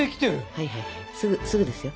はいはいすぐですよ。